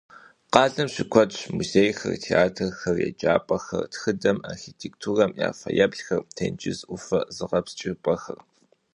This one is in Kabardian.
Къалэм щыкуэдщ музейхэр, театрхэр, еджапӀэхэр, тхыдэм, архитектурэм я фэеплъхэр, тенджыз Ӏуфэ зыгъэпскӀыпӀэхэр.